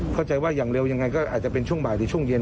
เข้าใจว่าอย่างเร็วยังไงก็อาจจะเป็นช่วงบ่ายหรือช่วงเย็น